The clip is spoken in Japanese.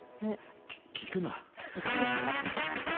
き聞くな。